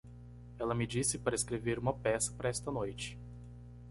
Ela me disse para escrever uma peça para esta noite.